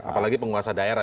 apalagi penguasa daerah